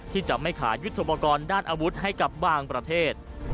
ที่จะไม่ขายยุทธโปรกรณ์ด้านอาวุธให้กับบางประเทศ